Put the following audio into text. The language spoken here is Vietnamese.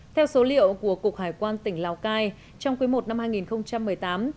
theo số liệu của cục hải quan tỉnh lào cai trong quý i năm hai nghìn một mươi tám